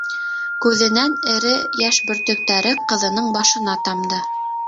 Күҙенән эре йәш бөртөктәре ҡыҙының башына тамды.